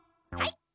はい。